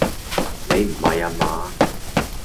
你唔係呀嘛？